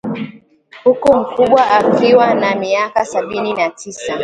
huku mkubwa akiwa na miaka sabini na tisa